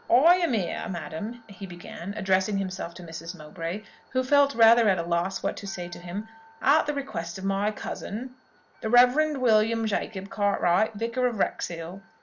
"I am here, madam," he began, addressing himself to Mrs. Mowbray, who felt rather at a loss what to say to him, "at the request of my cousin, the Reverend William Jacob Cartwright, Vicar of Wrexhill.